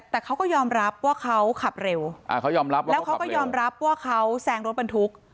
แต่เขาก็ยอมรับว่าเขาขับเร็วอ่าเขายอมรับแล้วเขาก็ยอมรับว่าเขาแซงรถบรรทุก